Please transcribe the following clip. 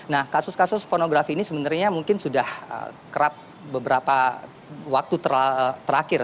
nah kasus kasus pornografi ini sebenarnya mungkin sudah kerap beberapa waktu terakhir